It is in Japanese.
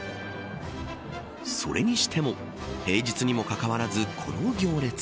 それにしても平日にもかかわらずこの行列。